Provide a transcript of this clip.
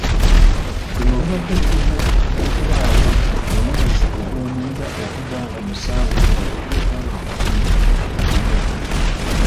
Luno lubadde lugenda okubaawo mu mwezi gwomwenda okuva nga musanvu okutuuka nga kkumi na lumu.